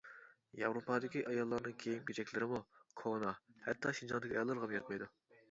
ياۋروپادىكى ئاياللارنىڭ كىيىم-كېچەكلىرىمۇ كونا ھەتتا شىنجاڭدىكى ئاياللارغىمۇ يەتمەيدۇ.